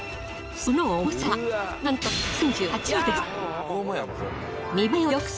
その重さはなんと３８ｋｇです。